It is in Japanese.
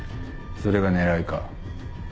それが狙いか？